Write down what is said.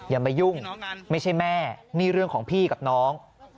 อย่ามายุ่งไม่ใช่แม่นี่เรื่องของพี่กับน้อง